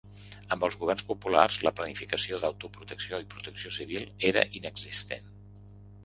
Amb els governs populars la planificació d’autoprotecció i protecció civil era inexistent.